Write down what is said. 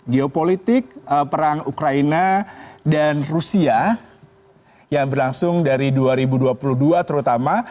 geopolitik perang ukraina dan rusia yang berlangsung dari dua ribu dua puluh dua terutama